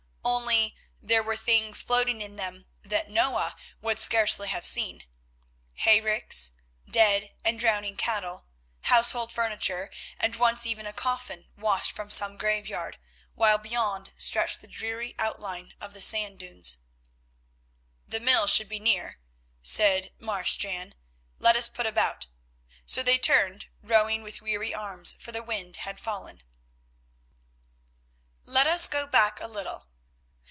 Only there were things floating in them that Noah would scarcely have seen; hayricks, dead and drowning cattle, household furniture, and once even a coffin washed from some graveyard, while beyond stretched the dreary outline of the sand dunes. "The mill should be near," said Marsh Jan, "let us put about." So they turned, rowing with weary arms, for the wind had fallen. Let us go back a little.